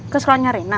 ke sekolahnya rena